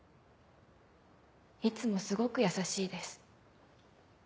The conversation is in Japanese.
いつもすごく優しいです。